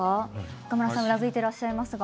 中村さんうなずいてらっしゃいますが。